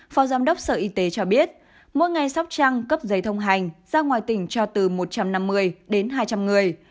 phó giám đốc sở y tế cho biết mỗi ngày sóc trăng cấp giấy thông hành ra ngoài tỉnh cho từ một trăm năm mươi đến hai trăm linh người